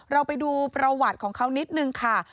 เราไปดูประวัติของเขานิดนึงค่ะ